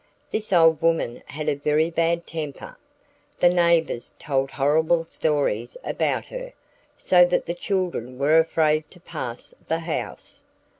This old woman had a very bad temper. The neighbors told horrible stories about her, so that the children were afraid to pass the house.